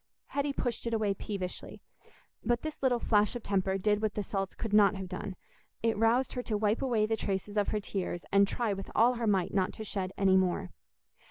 Hetty pushed it away peevishly; but this little flash of temper did what the salts could not have done—it roused her to wipe away the traces of her tears, and try with all her might not to shed any more.